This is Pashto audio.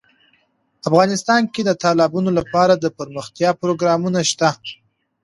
افغانستان کې د تالابونو لپاره دپرمختیا پروګرامونه شته.